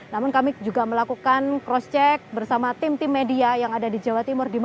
namun kami juga melakukan cross check bersama tim tim media yang ada di jawa timur